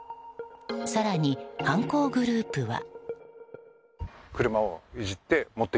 更に犯行グループは。